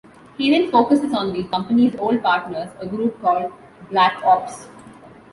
He then focuses on the company's old partners, a group called "Black Ops".